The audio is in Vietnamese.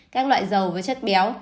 các loại dầu với chất béo